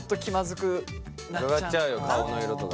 うかがっちゃうよ顔の色とか。